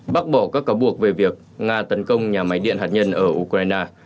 bác bỏ các cáo buộc về việc nga tấn công nhà máy điện hạt nhân ở ukraine